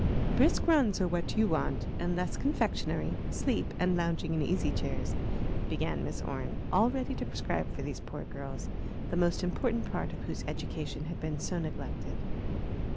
"Brisk runs are what you want, and less confectionery, sleep, and lounging in easy chairs;" began Miss Orne, all ready to prescribe for these poor girls, the most important part of whose education had been so neglected.